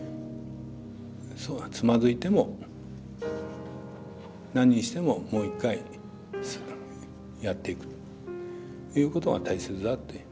つまずいても何してももう一回やっていくということが大切だっていう。